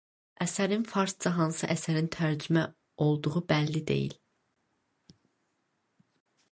Əsərin farsca hansı əsərin tərcümə olduğu bəlli deyil.